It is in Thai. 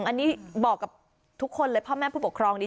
อันนี้บอกกับทุกคนเลยพ่อแม่ผู้ปกครองดี